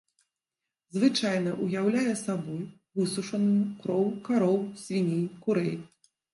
Звычайна ўяўляе сабой высушаную кроў кароў, свіней, курэй.